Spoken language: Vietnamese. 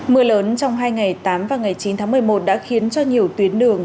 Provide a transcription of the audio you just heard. mưa lớn trong hai ngày tám và ngày chín tháng một mươi một đã khiến cho nhiều tuyến đường